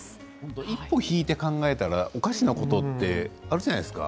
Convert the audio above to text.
一歩、引いて考えたらおかしなことってあるじゃないですか？